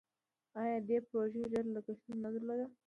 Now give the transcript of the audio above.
آیا دې پروژې ډیر لګښت نه درلود؟